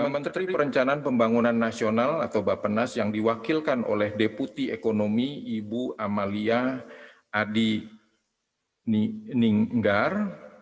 menteri perencanaan pembangunan nasional atau bapenas yang diwakilkan oleh deputi ekonomi ibu amalia adi ninggar